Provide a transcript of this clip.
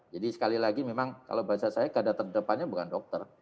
jadi sekali lagi memang kalau bahasa saya keadaan terdepannya bukan dokter